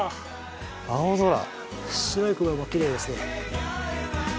青空白い雲もきれいですね